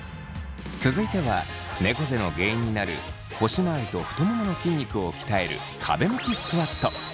続いてはねこ背の原因になる腰まわりと太ももの筋肉を鍛える壁向きスクワット。